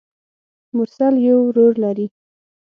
مرسل يو ورور لري.